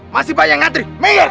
masih banyak ngantri